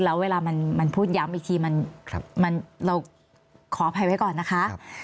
แล้วเวลามันพูดย้ำอีกทีเราขออภัยไว้ก่อนนะคะ